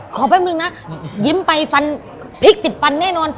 แป๊บนึงนะยิ้มไปฟันพริกติดฟันแน่นอน